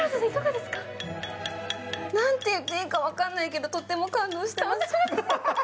何て言っていいか分かんないけどとても感動しています。